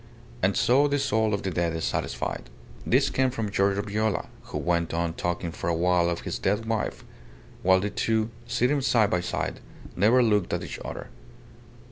"And so the soul of the dead is satisfied." This came from Giorgio Viola, who went on talking for a while of his dead wife; while the two, sitting side by side, never looked at each other.